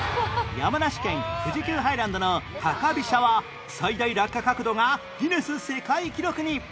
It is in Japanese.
山梨県富士急ハイランドの高飛車は最大落下角度がギネス世界記録に